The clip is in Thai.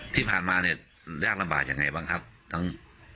ที่ผ่านมาเนี่ยยากลำบากยังไงบ้างครับทั้ง